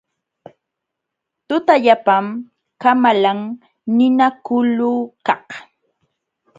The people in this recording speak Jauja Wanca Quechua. Tutallapam kamalan ninakulukaq.